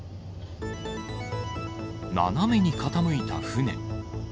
斜めに傾いた船。